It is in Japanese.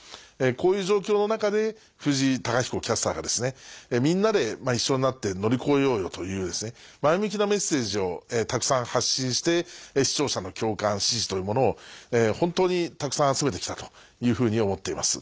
こういう状況の中で藤井貴彦キャスターが「みんなで一緒になって乗り越えようよ」という前向きなメッセージをたくさん発信して視聴者の共感支持というものを本当にたくさん集めて来たというふうに思っています。